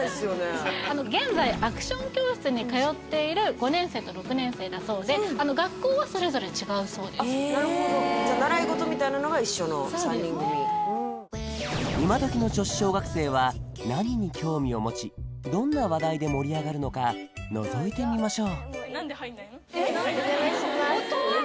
現在アクション教室に通っている５年生と６年生だそうで学校はそれぞれ違うそうですあっなるほどじゃあ習い事みたいなのが一緒の３人組今どきの女子小学生は何に興味を持ちどんな話題で盛り上がるのかのぞいてみましょう大人っぽい！